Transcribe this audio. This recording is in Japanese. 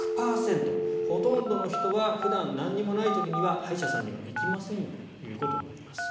ほとんどの人は普段、何もない時には歯医者さんには行きませんよということになります。